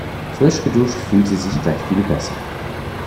Frisch geduscht fühlt sie sich gleich viel besser.